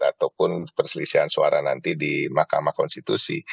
ataupun perselisihan suara nanti di mahkamah konstitusi